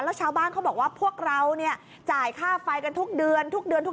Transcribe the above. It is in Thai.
แล้วชาวบ้านเขาบอกว่าพวกเราจ่ายค่าไฟกันทุกเดือน